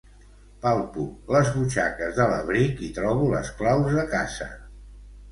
Palpo les butxaques de l'abric i trobo les claus de casa.